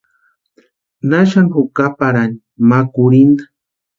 ¿Naxani jukaparhaïni ma kurhinta?